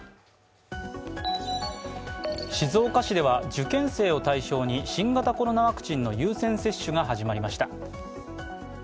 静岡市では受験生を対象に新型コロナワクチンの優先接種が始まりました。